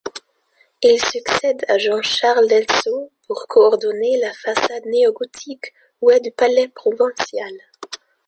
Il succède à Jean-Charles Delsaux pour coordonner la façade néogothique ouest du Palais provincial.